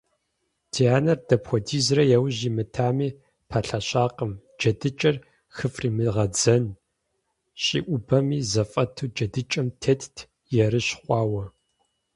Ди анэр дапхуэдизрэ яужь имытами, пэлъэщакъым, джэдыкӀэр хыфӀримыгъэдзэн: щӀиӀубэми зэфӀэту джэдыкӀэм тетт, ерыщ хъуауэ.